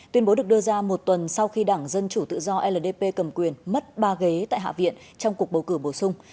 tuyên bố được đưa ra một tuần sau khi đảng dân chủ tự do ldp cầm quyền mất ba ghế tại hạ viện trong cuộc bầu cử bổ sung